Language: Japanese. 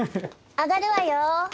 上がるわよ。